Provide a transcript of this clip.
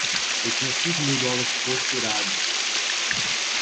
Eu tinha cinco mil dólares costurados!